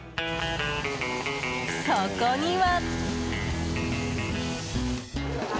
そこには。